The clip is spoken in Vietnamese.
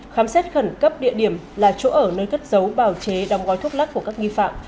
khám xét khẩn cấp địa điểm là chỗ ở nơi cất dấu bào chế đong gói thuốc lắc của các nghi phạm